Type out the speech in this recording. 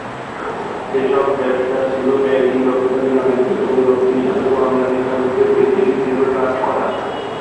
এসব ব্যবসা ছিল ব্যাংকিং, রপ্তানি বাণিজ্য এবং রপ্তানিকারক ও আমদানিকারকদের এজেন্ট হিসেবে কাজ করা।